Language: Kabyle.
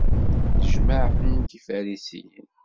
Nnejmaɛen-d Ifarisiyen.